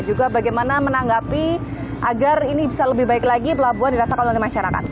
juga bagaimana menanggapi agar ini bisa lebih baik lagi pelabuhan dirasakan oleh masyarakat